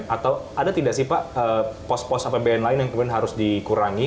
atau ada tidak sih pak pos pos apbn lain yang kemudian harus dikurangi